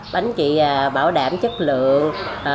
bánh chị bảo đảm chất lượng